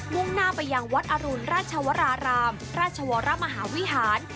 ่งหน้าไปยังวัดอรุณราชวรารามราชวรมหาวิหาร